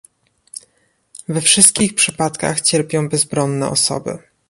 We wszystkich przypadkach cierpią bezbronne osoby